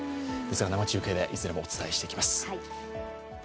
生中継でいずれもお伝えしていきます。